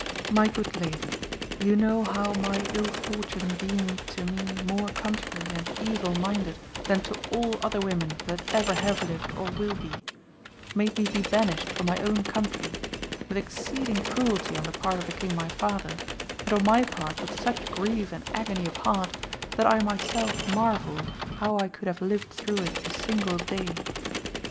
My good lady, you know how my ill fortune being to me more contrary and evil minded than to all other women that ever have lived or will be, made me be banished from my own country with exceeding cruelty on the part of the king my father, and on my part with such grief and agony of heart that I myself marvel how I could have lived through it a single day.